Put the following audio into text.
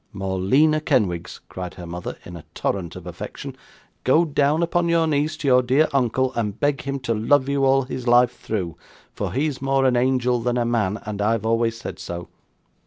'Morleena Kenwigs,' cried her mother, in a torrent of affection. 'Go down upon your knees to your dear uncle, and beg him to love you all his life through, for he's more a angel than a man, and I've always said so.